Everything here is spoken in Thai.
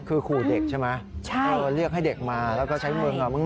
คือขู่เด็กใช่ไหมใช่เออเรียกให้เด็กมาแล้วก็ใช้มึงอ่ะมึง